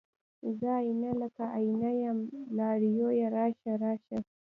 زه آئينه، لکه آئینه یم لارویه راشه، راشه